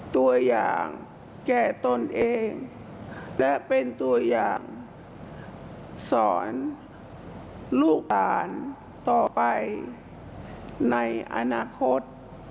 ตัวอย่างแก้ตนเองและเป็นตัวอย่างสอนลูกหลานต่อไปในอนาคต